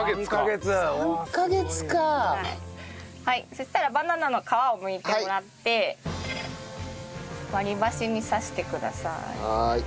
そしたらバナナの皮をむいてもらって割り箸に刺してください。